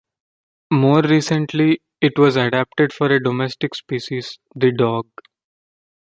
More recently, it was adapted for a domestic species, the dog.